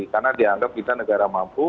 karena dianggap kita negara mampu